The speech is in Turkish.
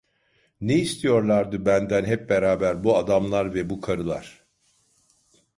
Ne istiyorlardı benden hep beraber bu adamlar ve bu karılar?